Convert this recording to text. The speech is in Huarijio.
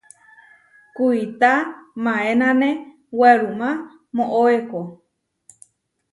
Kuitá maénane werumá moʼóeko.